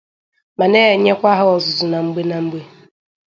ma na-enyekwa ha ọzụzụ na mgbe na mgbe.